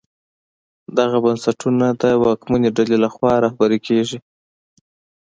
دغه بنسټونه د واکمنې ډلې لخوا رهبري کېږي.